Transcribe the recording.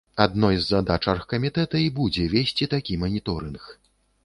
Адной з задач аргкамітэта і будзе весці такі маніторынг.